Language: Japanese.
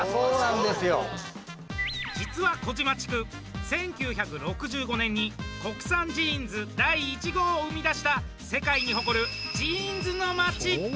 実は、児島地区１９６５年に国産ジーンズ第１号を生み出した世界に誇るジーンズの街。